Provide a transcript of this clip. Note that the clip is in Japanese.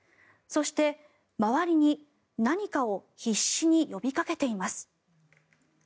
そして、周りに何かを必死に呼びかけています。